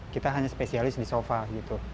kita hanya spesialis di sofa gitu